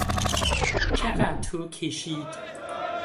چقدر طول کشید؟